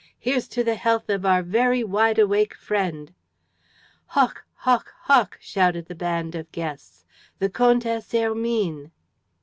Hoch!_ Here's to the health of our very wideawake friend!" "Hoch! Hoch! Hoch!" shouted the band of guests. "The Comtesse Hermine!"